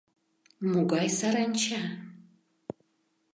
— Могай саранча?